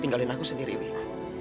janganlah aku yang selalu menjengkelkanmu